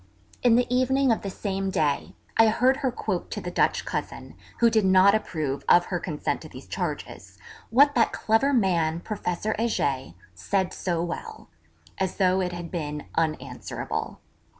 In the evening of the same day I heard her quote to the Dutch cousin, who did not approve of her consent to these charges, 'what that clever man, Professor Heger) said so well,' as though it had been unanswerable.